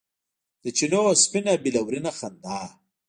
د چېنو سپینه بلورینه خندا